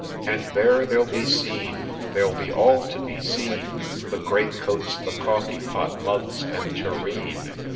And there they'll be seen — they'll be all to be seen ! The great coats, the coffee pot, mugs, and tureen